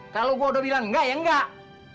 kalau gua udah bilang nggak ya nggak